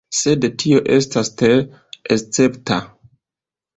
Sed tio estas tre escepta.